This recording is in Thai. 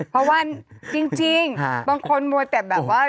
เพราะว่าจริงบางคนมัวแต่แบบว่า